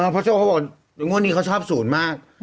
โจ้เขาบอกงวดนี้เขาชอบ๐มาก